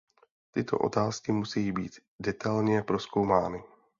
Tyto otázky musejí být detailně prozkoumány.